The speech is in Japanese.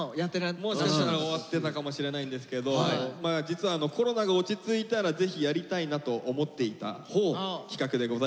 終わってたかもしれないんですけど実はコロナが落ち着いたらぜひやりたいなと思っていた企画でございます。